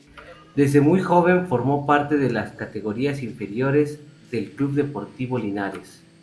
Desde muy joven formó parte de las categorías inferiores del Club Deportivo Linares.